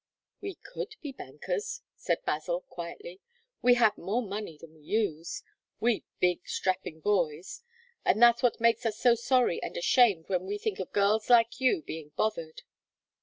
"We could be bankers," said Basil, quietly. "We have more money than we use we big, strapping boys and that's what makes us so sorry and ashamed when we think of girls like you being bothered."